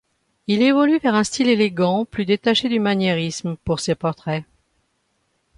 Il évolue vers un style élégant plus détaché du maniérisme pour ses portraits.